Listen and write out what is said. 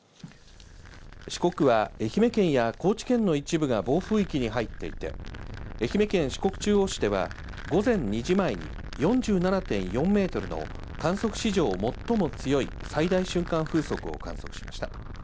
四国は愛媛県や高知県の一部が暴風域に入っていて愛媛県四国中央市では午前２時前に４７．４メートルの観測史上最も強い最大瞬間風速を観測しました。